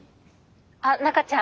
あっ中ちゃん？